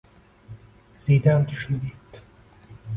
– Zidan tushunib yetdi.